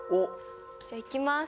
じゃいきます。